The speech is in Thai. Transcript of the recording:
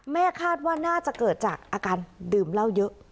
คาดว่าน่าจะเกิดจากอาการดื่มเหล้าเยอะ